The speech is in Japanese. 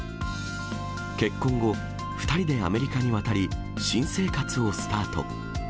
結婚後、２人でアメリカに渡り、新生活をスタート。